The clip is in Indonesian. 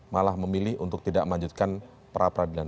malah memilih untuk tidak melanjutkan perapradilan